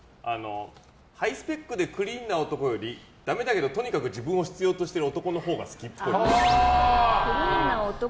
ハイスペックでクリーンな男よりダメだけどとにかく自分を必要としてる男のほうが好きっぽい。